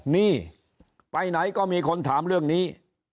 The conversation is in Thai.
นี่ไปไหนก็มีคนถามเรื่องนี้